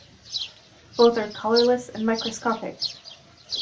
Both are colorless and microscopic.